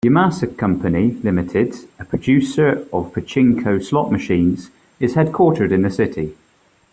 Yamasa Company, Limited, a producer of pachinko slot machines, is headquartered in the city.